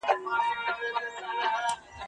زه اوس سبزیجات وچوم!.